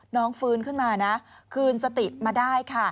น้องฟื้นขึ้นมานะคืนสติมาได้ค่ะ